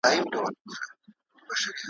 اوس چه ژوند پر انتها دئ، تر مزاره ګوندي را سې.